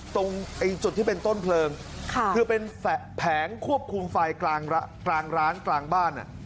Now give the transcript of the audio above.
ตรงจุดที่เป็นต้นเพลิงคือเป็นแผงควบคุมไฟกลางร้านกลางบ้าน